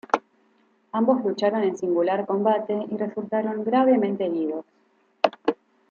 Ambos lucharon en singular combate y resultaron gravemente heridos.